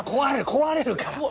壊れるから。